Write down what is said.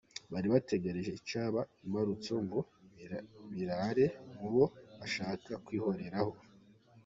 Bari bategereje icyaba imbarutso ngo birare mubo bashaka kwihoreraho.